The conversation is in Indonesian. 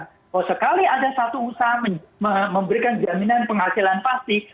kalau sekali ada satu usaha memberikan jaminan penghasilan pasti